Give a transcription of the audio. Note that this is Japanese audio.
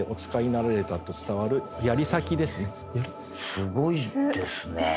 すごいですね。